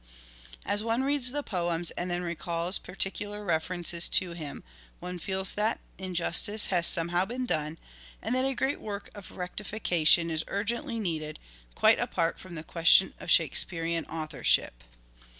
As one reads the poems and then recalls particular references to him one feels that injustice has somehow been done, and that a great work of rectification is urgently needed, quite apart from the question of Shakespearean authorship.